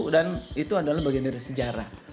dan itu adalah bagian dari sejarah